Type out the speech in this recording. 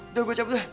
udah gue cabut deh